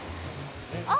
あ！